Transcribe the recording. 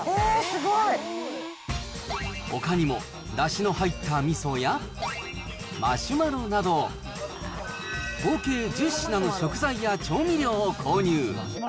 すごい！ほかにも、だしの入ったみそや、マシュマロなど、合計１０品の食材や調味料を購入。